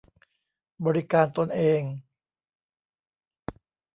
บริการตนเอง